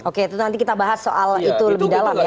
oke itu nanti kita bahas soal itu lebih dalam ya